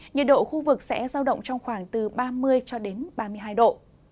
nhiệt độ khu vực sẽ giao động trong khoảng từ ba mươi ba mươi hai độ